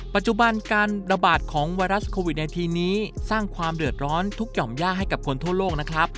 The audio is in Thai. ปัจจุบันการระบาดของไวรัสโควิด๑๙นี้สร้างความเดือดร้อนทุกหย่อมย่าให้กับคนทั่วโลกนะครับ